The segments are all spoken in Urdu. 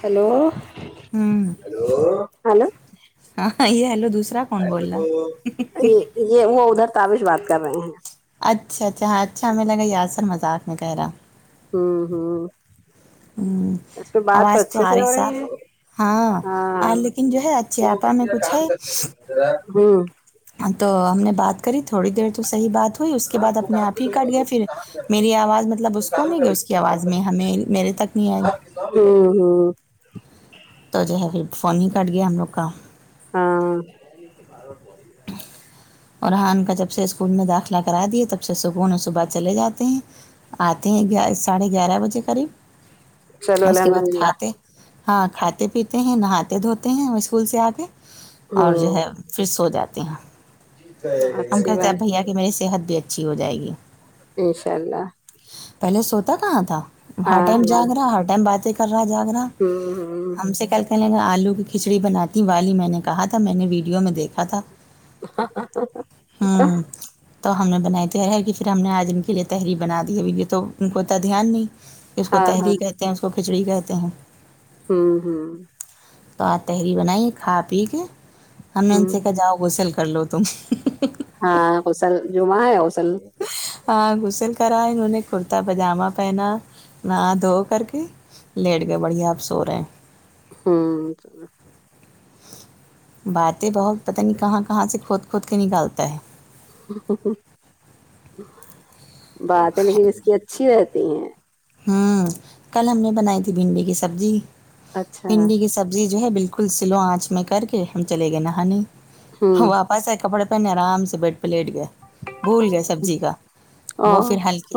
ہلو ہوں ہاں یہ ہلو دوسرا کون بول رہا یہ یہ وہ ادھر تابش بات کر رہے ہیں اچھا اچھا ہاں اچھا ہمیں لگا یاسر مذاق میں کہہ رہا ہوں ہوں ہوں اس پہ بات آواز تو اچھے سے آرہی ہو رہی صاف ہے ہاں لیکن جو ہے اچھے آپا میں کچھ ہے ہمم تو ہم نے بات کری تھوڑی دیر تو صحیح بات ہوئی اس کے بعد اپنے آپ ہی کٹ گیا پھر میری آواز مطلب اس کو نہیں گئی اس کی آواز میں ہمیں میرے تک نہیں آئی ہمم ہمم تو جو ہے پھر فون ہی کٹ گیا ہم لوگ کا ہاں اورحان کا جب سے اسکول میں داخلہ کرا دیے تب سے سکون اور صبح چلے جاتے ہیں آتے ہیں گی ساڑھے گیارہ بجے چلو قریب اس کے الحمد بعد للہ کھاتے ہاں کھاتے پیتے ہیں نہاتے دھوتے ہیں ہم اسکول سے آ کے اور جو ہوں ہے پھر سو جاتے ہیں ہم اچھی کہتے اب بات بھیا کہ میری صحت بھی اچھی ہو جائے گی انشاء اللہ پہلے سوتا کہاں تھا ہر ہاں ٹائم ہاں جاگ رہا ہر ٹائم باتیں کر رہا جاگ رہا ہوں ہوں ہم سے کل کہ لیں گے آلو کی کھچڑی بناتی والی میں نے کہا تھا میں نے ویڈیو میں دیکھا تھا ہ ہ ہ ہوں تو ہم نے بنائی تی ارہر کہ پھر ہم نے آج ان کے لیے تحری بنا دی ہے یہ تو ان کو اتا دھیان نہیں کہ اس کو ہاں ہاں تحری کہتے ہیں اس کو کھچڑی کہتے ہیں ھمم ھمم تو آج تحری بنائی کھا پی کے ہم نے ان ہوں سے کہا جاؤ غسل کر لو تم ہاں غسل جمعہ ہے غسل ہاں غسل کرا انہوں نے کرتا پیجامہ پہنا نہا دھو کر کے لیٹ گئے بڑھیا اب سو رہے ہیں ھمم باتیں بہت پتہ نہیں کہاں کہاں سے کھود کھود کے نکالتا ہے بات لیکن اس کی اچھی رہتی ہیں ہوں کل ہم نے بنائی تھی بھنڈی کی سبزی اچھا بھنڈی کی سبزی جو ہے بالکل کل سلو آنچ میں کر کے ہم چلے گئے نہانے ہوں ہو آپ پس کپڑے پہننے آرام سے بیڈ پے لیٹ گئے بھول گیا سبزی کا وہ اور پھر ہلکی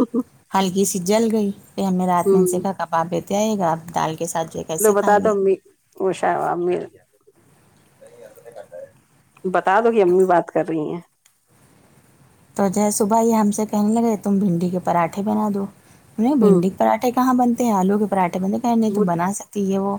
ہلکی سی جل گئی یہ ہمیں رات میں ان ہوں سے کا کباب دیتے آئے گا آپ دال کے ساتھیک لو بتا دو امی وہشا امی بتا دو گی امی بات کر رہی ہیں تو جو ہے صبح یہ ہم سے کہنے لگے تم بھنڈی کے پراٹھے بنا دو انہیں ہ بھنڈی پراٹھے کہاں بنتے ہیں آلو کے پراٹھے بنے کہیں نہیں تو ہ بنا سکتی ہے وہ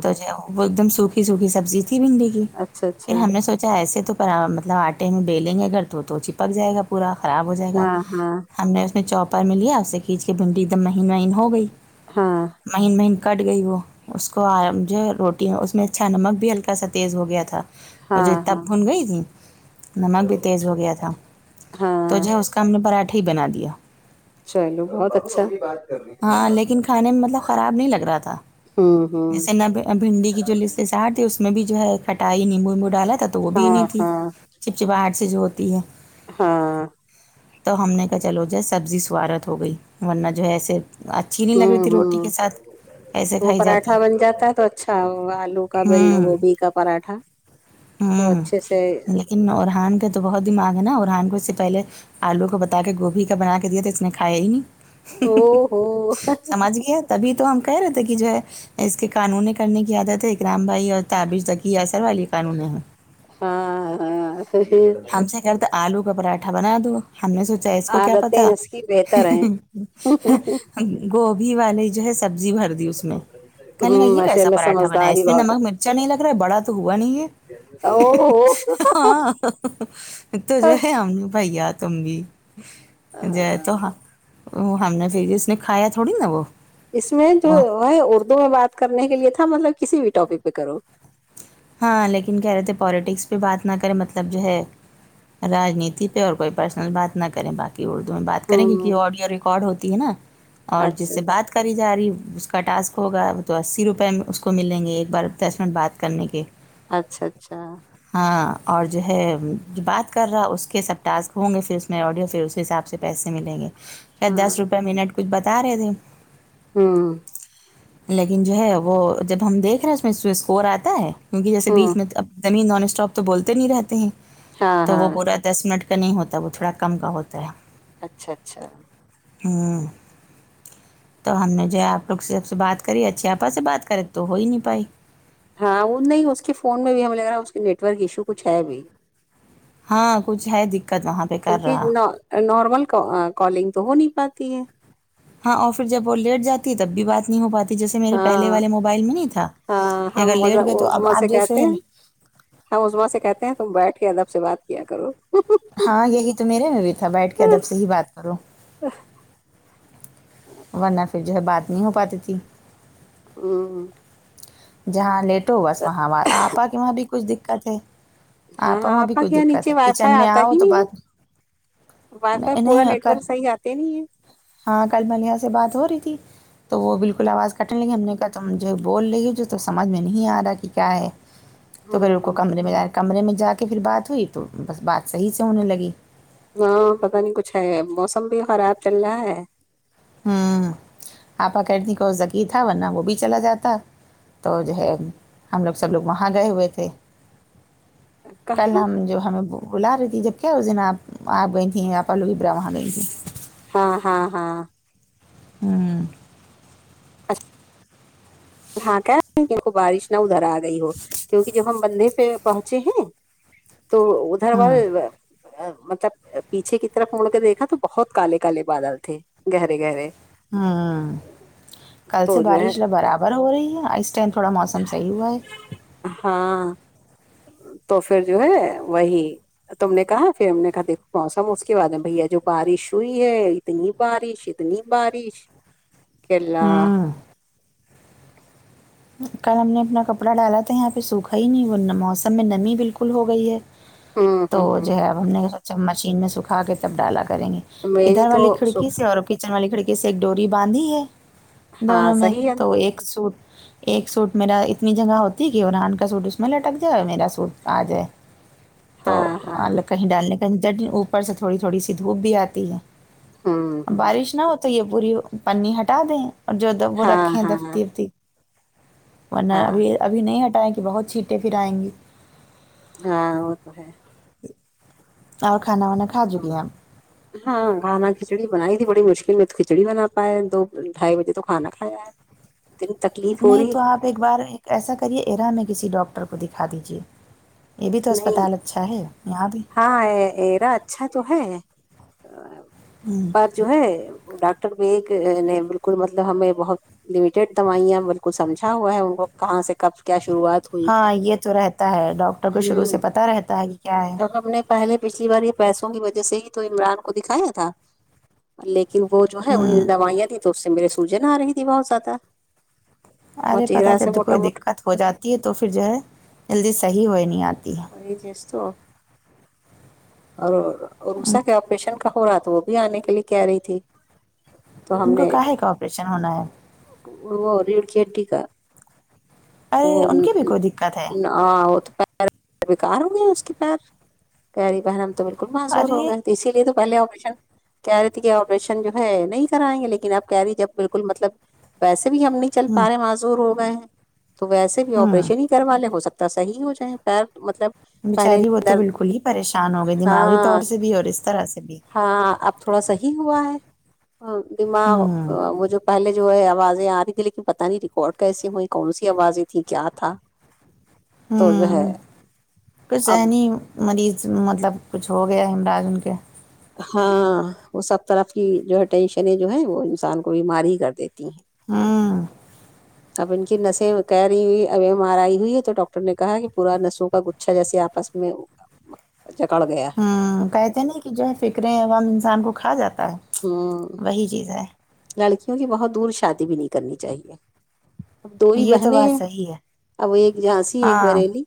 تو جو وہ وہ ایک دم سوکھی سوکھی سبزی تھی بھنڈی کی اچھا پھر اچھا ہم نے سوچا ایسے تو پر مطلب آٹے میں بیلیں گے اگر تو تو چپک جائے گا پورا خراب ہو جائے گا ہاں ہم نے اس میں چوپر میں لیا اس سے کھینچ کے بھنڈی ایک دم مہین مہین ہو گئی ہاں مہین مہین کٹ گئی وہ اس کو ا مجھے روٹی اس میں اچھا نمک بھی ہلکا سا تیز ہو گیا تھا وہ ہاں جو تب ہاں بھن گئی تھی نمک بھی تیز ہو گیا تھا تو ہاں جو کا ہم نے پراٹھا ہی بنا دیا چلو بہت اچھا ہاں لیکن کھانے میں مطلب خراب نہیں لگ رہا تھا ہوں ہوں جیسے نہ بھنڈی کی جو ل اس میں بھی جو ہے کٹائی نیمبو ویمبو ڈالا تھا تو وہ بھی ہاں نہیں تھی ہاں چپچپاہٹ سے جو ہوتی ہے ہاں تو ہم نے کہا چلو جی سبزی سوارت ہو گئی ورنہ جو ہے ایسے اچھی نہیں لگ رہی ہوں تھی روٹی کے ہوں ساتھ ایسے وہ کھائی جاتی پراٹھا بن جاتا ہے تو اچھا وہ آلو کا بڈو ہوں گوبھی کا پراٹھا تو ہوں اچھے سے لیکن ارحان کے تو بہت دماغ نا ارہان کو اس سے پہلے آلو کو بتا کے گوبھی کا بنا کے دیا تو اس نے کھایا ہی نہیں ہی او ہی ہی ہو سمجھ گیا تبھی تو ہم کہہ رہے تھے کہ جو ہے اس کے قانونی کرنے کی عادت ہے رام بھائی اور تابش تکی اسر والی قانونی ہیں ہاں ہاں ہاں پھر ہم سے کہرہے تھے آلو کا پراٹھا بنا دو ہم نے سوچ اس کو کیا عادتیں پتا اس کی بہتر ہیں گوبھی والی جو ہے سبزی بھر دی اس کہنے لگا ہوں یہ ماشاء کیسا اللہ پراٹھا بنایا ہے سمجھدار ہی اس میں بہت نمک مرچا نہیں لگ رہا ہے بڑا تو ہوا نہیں ہے او ہو ہاں تو جو ہے ہم بھیا تم بھی جآید تو ہاں ہم نے پھر اس نے کھایا تھوڑی نہ وہ اس میں جو وہ ہے اردو میں بات کرنے کے لیے تھا مطلب کسی بھی ٹاپک پہ کرو ہاں لیکن کہہ رہے تھے پولییٹکس پہ بات نہ کریں مطلب جو ہے راجنیتی پہ اور کوئی پرسنل بات نہ کریں باقی اردو میں بات کریں کیونکہ ہوں آڈیو ریکارڈ ہوتی ہے نہ اور جس اچھا سے اچھا بات کری جا رہی اس کا ٹاسک ہوگا وہ تو اسی روپے اس کو ملیں گے ایک بار دس منٹ بات کرنے کے اچھا اچھا ہاں اور جو ہے جو بات کر رہا اس کے سب ٹاسک ہوں گے پھر اس میں آڈیو پھر اس حساب سے پیسے ملیں گے ہاں دس روپئے منٹ کچھ بتا رہے تھے ہوں لیکن جو ہے وہ جب ہم دیکھ رہے اس میں سے اسکور آتا ہے کیونکہ جیسے ہوں بیچ میں اب تبھی ہی نان اسٹاپ تو بولتے نہیں رہتے ہیں ہاں تو وہ ہاں پورا دس منٹ کا نہیں ہوتا وہ تھوڑا کم کا ہوتا ہے اچھا اچھا ہوں تو ہم نے جو ہے صحیح۔ آپ لوگ سے سے بات کری اچھے آپا سے بات کریں تو ہو ہی نہیں پائی ہاں وہ نہیں اس کے فون میں بھی ہمیں لگ رہا اس کے نیٹ ورک ایشو کچھ ہے ابھی ہاں کچھ ہے دقت وہاں پہ کر رہا کیونکہ نارمل کا کالنگ تو ہو نہیں پاتی ہے ہاں اور پھر جب وہ لیٹ جاتی ہے تب بھی بات نہیں ہو پاتی جیسے میرے پہلے ہاں والے موبائل میں نہیں تھا ہاں اگر ہم لیٹ گئے تو اب عظما آپ سے جیسے کہتے ہیں ہم عظمی سے کہتے ہیں تم بیٹھ کے ادب سے بات کیا کرو ہاں یہی تو میرے میں بھی تھا بیٹھ کے ادب سے ہی بات کرو آ ہ ورنہ پھر جو ہے بات نہیں ہو پاتی تھی ہوں ہوں ہوں جہاں لیٹو بس وہاں آپا کے وہاں بھی کچھ دکت ہے ہاں ہاں وہاں بھی آپا کچھ کا یہاں دقت نیچے ہے وائی فائی کچن میں آتا آؤ ہی تو نہیں بات ہے وائی فائی پورا نہیں نیٹ کر ورک صحیح آتا ہی نہیں ہے ہاں کل ملیحہ سے بات ہو رہی تھی تو وہ بالکل آواز کٹنے لگی ہم نے کہا تم جو بول رہی ہو جو تو سمجھ میں نہیں آ رہا کہ کیا ہے توپھر انکو ہوں کمرے میں جا کمرے میں جا کے پھر بات ہوئی تو بس بات صحیح سے ہونے لگی ہاں پتا نہیں کچھ ہے موسم بھی خراب چل رہا ہے ہاں آپا کردی کال زکی تھا ورنہ وہ بھی چلا جاتا تو جو ہے ہم لوگ سب لوگ وہاں گئے ہوئے تھے کل کہاں ہم جو ہمیں کو بلا رہی تھی جب کیا اس دن آپ گئی تھیں آپ وہاں گئی تیں ہاں ہاں ہاں ہوں اچھا ہاں کہ رہی ہیں کی کو بارش نہ ادھر آ رہی ہو کیونکہ جب ہم بندے پہ پہنچے ہیں تو ادھر ہوں والے مطلب پیچھے کی طرف مڑ کر دیکھا تو بہت کالے کالے بادل تھے گہرے گہرے ہاں کل سے تو جو ہے بارش یہ برابر ہو رہی ہے اس ٹین تھوڑا موسم صحیح ہوا ہے ہاں تو پھر جو ہے وہی تم نے کہا پھر ہم نے کہا دیکھو موسم اس کے بعد بھیا جو بارش ہوئی ہے اتنی بارش اتنی بارش کے اللہ ہوں کل ہم نے اپنا کپڑا ڈالا تھا یہاں پہ سوکھا ہی نہیں وہ نا موسم میں نمی بالکل ہو گئی ہے ہوں تو ہوں جو ہے اب ہم نے سوچ مشین میں سکھا کے تب ڈالا کریں گے میری ادھر تو والی کھڑکی سکھ سے اور پک والی کھڑکی سے ایک ڈوری باندھی ہے ہاں دونوں میں صحیح ہے تو ایک سوٹ ایک سوٹ میرا اتنی جگہ ہوتی ہے کہ عمران کا سوٹ اس میں لٹک جائے اور میرا سوٹ آ جائے تو ہاں ہاں اور کہیں ڈالنے کاجگہ اوپر سے تھوڑی تھوڑی سی دھوپ بھی آتی ہے ہوں ہوں بارش نہ ہو تو یہ پوری پر نی ہٹا دیں اور جو وہ ہاں رکھیں ہیں ہاں دفتی وفتی ورنہ ہاں ابھی ابھی نہیں ہٹائیں کہ بہت چھیٹیں پھر ائیں گے ہاں وہ تو ہے اور کھانا وانا کھا چکی آپ ہاں کھانا کھچڑی بنائی تھی بڑی مشکل میں تو کھچڑی بنا پائے ہے دو ڈھائی بجے تو کھانا کھایا ہے اتنی تکلیف ہو نہیں رہی تو آپ ایک بار ایسا کریے ایرا نے کسی ڈاکٹر کو دکھا دیجیے یہ بھی تو نہیں اسپتال اچھا ہے یہاں بھی ہاں ایرا اچھا تو ہے ہوں پر جو ہے ڈاکٹر کو ایک نئی بالکل مطلب ہمیں بہت لمیٹیڈ دوائیاں بالکل سمجھا ہوا ہے ان کو کہاں سے کب کیا شروعات ہو ہاں یہ تو رہتا ہے ڈاکٹر کو شروع ہ سے پتا رہتا ہے کہ کیا ہے اور ہم نے پہلے پچھلی بار یہ پیسوں کی وجہ سے ہی تو عمران کو دکھایا تھا لیکن وہ جو ہے انھوں نے ہوں دوائیاں تھیں تو اس سے میرے سوجن آ رہی تھی بہت زیادہ اور ارے پتا چہرہ سے جب موٹا کوئی موٹا دقت ہو جاتی ہے تو پھر جو ہے جلدی صحیح ہو ہی نہیں آتی ہے یہ چیز تو اور ان عروسہ کے آپریشن تہورا تو وہ بھی آنے کے لیے کہہ رہی تھی تو ہم ان کو نے کاہے کا آپریشن ہونا ہے وہ یہ ریڈ کے ہڈی کا ارے ان کی بھی [unintelligible] کوئی دقت ہے ہاں وہ تو پیر بیکار ہو گیا اس کی پیر کہہ رہی بہن ہم تو بالکل معذور ہو ارے گئے اسی لیے تو پہلے آپریشن کہہ رہی تھی کہ آپریشن جو ہے نہیں کرائیں گے لیکن اب کہہ رہی جب بالکل مطلب ویسے بھی ہم نہیں چل ہوں پیر ہی معذور ہو گئے ہیں تو ویسے بھی ہوں آپریشن ہی کروا لے ہو سکتا صحیح ہو جائے پیر مطلب پہلے بچاری وہ تو درد بالکل ہی پریشان ہو گئی دماغی طور ہاں سے بھی اور اس طرح سے بھی ہاں اب تھوڑا صحیح ہوا ہے دماغ ہوں ا وہ جو پہلے جو ہے آوازیں آ رہی تھی لیکن پتا نہیں ریکارڈ کیسی ہوئی کون سی آوازیں تھی کیا تھا تو جو ہے ہوں کچھ اب ذہنی مریض مطلب کچھ ہو گیا ہے ہمراج ان کے ہاں وہ سب طرف کی جو ہے ٹینشنیں جو ہیں وہ انسان کو بیمار ہی کر دیتی ہیں ہاں اب ان کی نسیں کہہ رہی ہوئی اب ایم آر آئی ہوئی ہے تو ڈاکٹر نے کہا کہ پورا نسوں کا گچھا جیسے آپس میں [inaudible] جکڑھ گیا ہے ہوں کہتے ہیں نہ کہ جو ہے فکریں اور غم انسان کو کھا جاتا ہے ہوں وہی چیز ہے لڑکیوں کی بہت دور شادی بھی نہیں کرنی چاہیے اب دو ہی یہ تو بہنیں بات ہیں صحیح ہے اب ایک جھانسی ایک ہاں بریلی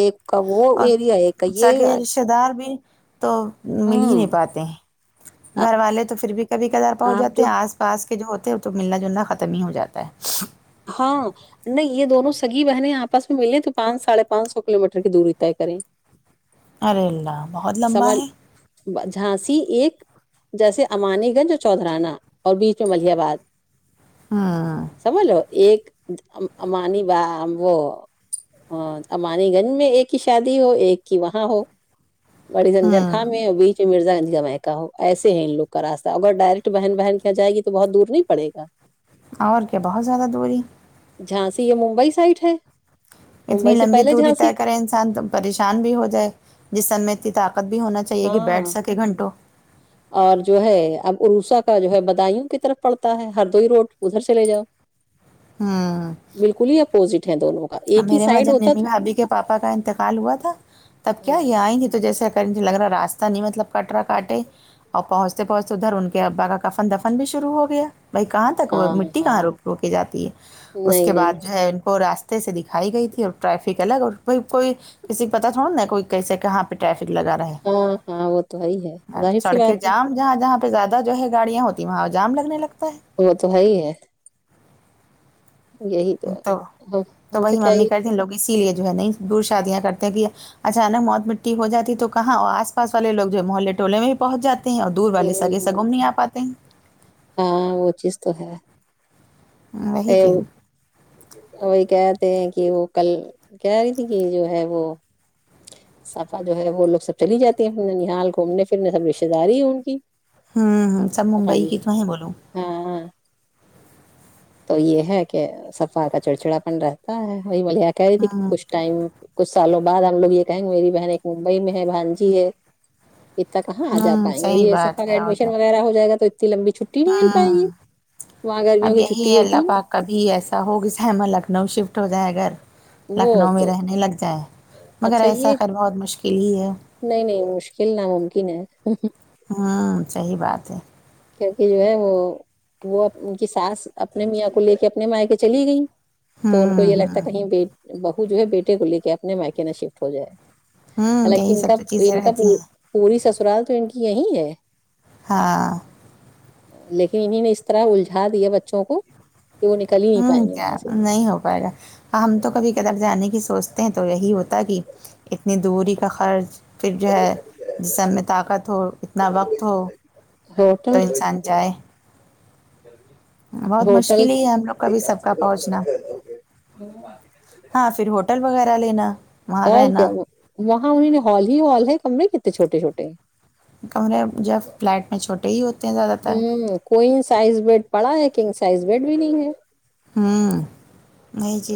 ایک کا وہ ایریا ایک یہ ا دھار بھی تو مل ہی نہیں پاتے ہیں گھر والے تو پھر بھی کبھی کبھار پہنچ آپ جاتے جو ہیں آس پاس کے جو ہوتے ہیں وہ تو ملنا جلنا ختم ہی ہو جاتا ہے ہاں نہیں یہ دونوں سگی بہنیں آپس میں ملیں ہیں تو پانچ ساڑھے پانچ سو کلو میٹر کی دوری طے کریں ارے اللہ بہت لمبا سنبل ہے ب جھانسی ایک جیسے امانی گنج اور چوددھرانہ اور بیچ میں ملیح آباد ہوں سمجھ لو ایک امانی ب وہ ہاں امانی گنج میں ایک کی شادی ہو ایک کی وہاں ہو بڑی زنجر ہوں خان میں ہے ابھی جی مراز گنج کا میکہ ہو ایسے ہیں ان لوگ کا راستہ اگر ڈائریکٹ بہن بہن کے یہاں جائے گی تو بہت دور نہیں پڑے اور کیا بہت زیادہ دوری جھانسی یہ ممبئی سائڈ ہے اتنی ممبئی سے لمبی پہلے دوری طے جھانسی کرے انسان تو پریشان بھی ہو جائے جسم میں اتنی طاقت بھی ہونا چاہیے کہ ہاں بیٹھ سکے گھنٹوں اور جو ہے اب عروسہ کا جو ہے بدایوں کی طرف پڑتا ہے ہردوئی روڈ ادھر چلے جاؤ ہاں بالکل ہی اپوزٹ ہے دونوں کا ایک ہی میرے وہاں سائڈ جب ہوتا میری تو بھابھی کے پاپا کا انتقال ہوا تھا تب کیا ہاں یہ آئیں گی تو جیسے پہلے تو لگ رہا راستہ نہیں مطلب کٹرا کاٹے اور پہنچتے پہنچتے ادھر ان کے ابا کا کفن دفن بھی شروع ہو گیا بھائی کہاں وہ ہاں مٹی کہاں ر ہاں روک جاتی ہے اس نہیں کے نہیں بعد جو ہے ان کو راستے سے دکھائی گئی تھی اور ٹریفک الگ اور کوئی کوئی کسی پتا تھوڑا نا کوئی کیسے کہاں پہ ٹریفک لگا رہے ہاں ہاں وہ تو ہے ہی ہے ظاہر سی سڑکیں بات ہے جام جہاں جہاں پہ زیادہ جو ہے گاڑیاں ہوتی وہاں جام لگنے لگتا ہے وہ تو ہے ہی ہے یہی تو ہم تو ہم سے وہی کیا ممی ہی کہتے ہیں لوگ اسی لیے جو ہے نہیں دور شادیاں کرتے ہیں کہ اچانک موت مٹی ہو جاتی تو کہاں اور آس پاس والے لوگ جو ہے محلے ٹولے میں بھی پہنچ جاتے ہیں اور دور والے ہوں سگے ہوں سگم نہیں آ پاتے ہیں ہاں وہ چیز تو ہے وہی ہے چیز وہ ہوں وہی کہتے ہیں کہ وہ کل کہہ رہی تھی کہ جو ہے وہ صفہ جو ہے وہ لوگ سب چلی جاتی ہیں نحال گھومنے پھرنے سب رشتتے داری ہے ان کی ہاں ہاں سب ممبئی خالی کتنے ہے بولو ہاں تو یہ ہے کہ صفا کا چڑچڑاپن رہتا ہے وہی میں یہ کہہ رہی تھی ہوں کچھ ٹائم کچھ سالوں بعد ہم لوگ یہ کہیں گے میری بہن ایک ممبئی میں ہے بھانجی ہے اتنا کہاں آ جا ہوں پائیں گے صحیح یہ صفہ بات کا ہے اور ایڈمیشن کیا وغیرہ ہو جائیگا تو اتنی لمبی چھٹی چھٹی نہیں مل پائے گی وہاں گرمیوں اب کی چھ یہی ہے اللہ پاک کبھی ایسا ہو کے صحیح بھی لکھنؤ شفٹ ہو جائے اگر وہ لکھنؤ میں تو رہنے لگ جائے مگر اچھا ایسا یہ خیر بہت مشکل ہی ہے نہیں نہیں مشکل ناممکن ہے ہوں صحیح بات ہے کیونکہ جو ہے وہ ان کی ساس اپنے میاں کو لے کے اپنے مائکے چلی گئیں تو ان کو ہوں یہ لگتا ہوں ہے کہیں بہو جو ہے بیٹے کو لے کے اپنے مائیکے نہ شفٹ ہو جائے ہوں حالانکہ یہی ان سب کا تو چیزیں ان کا رہتی پ ہیں پوری سسرال تو ان کی یہی ہے ہاں لیکن انہںی نے اس طرح الجھا دیا بچوں کو کہ انے ہوں کیا نہیں ہو پائے گا ہم تو کبھی کبار جانے کی سوچ تے ہیں تو یہی ہوتا کہ اتنی دوری کا خرچ پھر جو ہے جسم میں طاقت ہو اتنا وقت ہو تو انسان جائے لی [unintelligible] بہت مشکل ہی یہ ہم لوگ کا بھی سب کا پہنچنا ہاں فر ہوٹل وغیرہ لینا وہاں اور رہنا کیا وہاں انہیں نے ہال ہی ہال ہے کمرے کتے چھوٹے چھوٹے ہے کمرے جب فلیٹ میں چھوٹے ہی ہوتے ہیں زیادہ تر ہوں کوئین سائز بیڈ پڑا ہے کنگ سائز بیڈ بھی نہیں ہے ہوں نہیں جی